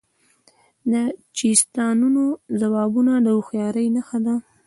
د چیستانونو ځوابول د هوښیارۍ نښه ده.